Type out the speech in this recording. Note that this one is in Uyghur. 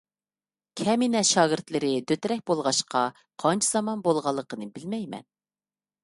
كەمىنە شاگىرتلىرى دۆترەك بولغاچقا، قانچە زامان بولغانلىقىنى بىلمەيمەن.